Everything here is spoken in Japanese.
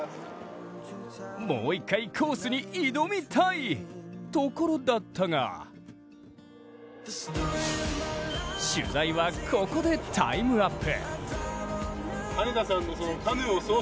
もう一回コースに挑みたいところだったが取材はここでタイムアップ。